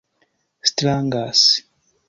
strangas